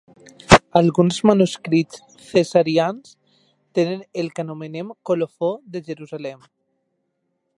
Alguns manuscrits cesarians tenen el que anomenem colofó de Jerusalem.